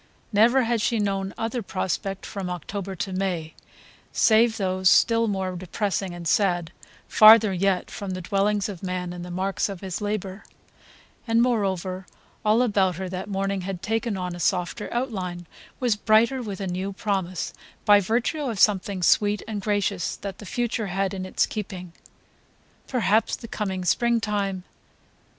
Never had she known other prospect from October to May, save those still more depressing and sad, farther yet from the dwellings of man and the marks of his labour; and moreover all about her that morning had taken on a softer outline, was brighter with a new promise, by virtue of something sweet and gracious that the future had in its keeping. Perhaps the coming springtime